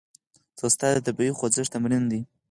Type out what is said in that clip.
ځغاسته د طبیعي خوځښت تمرین دی